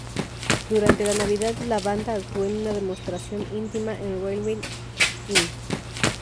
Durante la Navidad la banda actuó en una demostración íntima en Railway Inn.